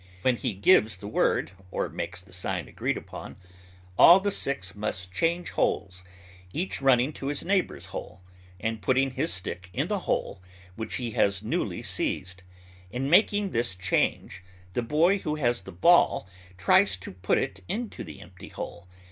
When he gives the word, or makes the sign agreed upon, all the six must change holes, each running to his neighbour's hole, and putting his stick in the hole which he has newly seized. In making this change, the boy who has the ball tries to put it into the empty hole.